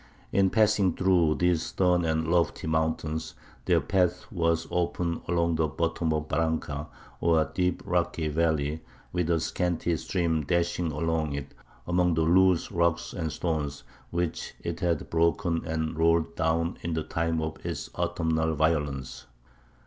In passing through these stern and lofty mountains, their path was often along the bottom of a barranca, or deep rocky valley, with a scanty stream dashing along it, among the loose rocks and stones which it had broken and rolled down in the time of its autumnal violence.